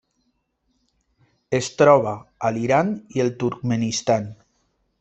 Es troba a l'Iran i el Turkmenistan.